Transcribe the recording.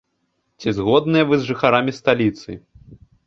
Ці згодныя вы з жыхарамі сталіцы?